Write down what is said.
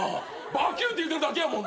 「バキューン！」って言ってるだけやもんな。